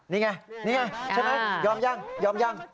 นี่ไงนี่ไงใช่ไหมยอมยังยอมยัง